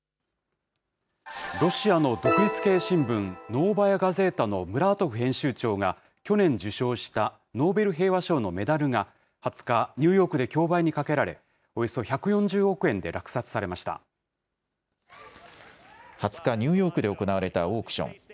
ロシアの独立系新聞、ノーバヤ・ガゼータのムラートフ編集長が去年受賞したノーベル平和賞のメダルが、２０日、ニューヨークで競売にかけられ、およそ２０日、ニューヨークで行われたオークション。